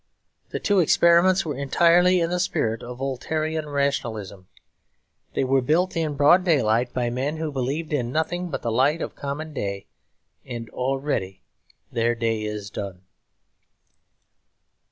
The two experiments were entirely in the spirit of Voltairean rationalism; they were built in broad daylight by men who believed in nothing but the light of common day; and already their day is done.